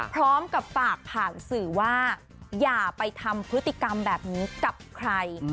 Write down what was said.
พร้อมกับฝากผ่านสื่อว่าอย่าไปทำพฤติกรรมแบบนี้กับใคร